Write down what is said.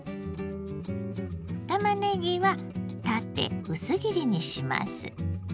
たまねぎは縦薄切りにします。